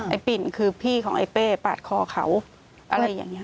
ปิ่นคือพี่ของไอ้เป้ปาดคอเขาอะไรอย่างนี้